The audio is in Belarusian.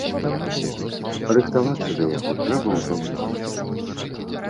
Рыхтавацца да яго трэба ўжо зараз.